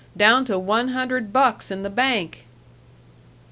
Down to one hundred bucks in the bank."